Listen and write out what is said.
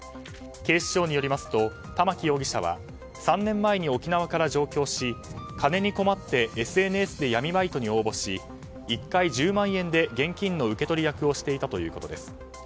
警視庁によりますと玉城容疑者は３年前に沖縄から上京し金に困ってＳＮＳで闇バイトに応募し１回１０万円で現金の受け取り役をしていたということです。